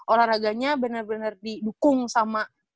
olahraganya bener bener didukung sama